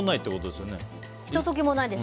ひと時もないです。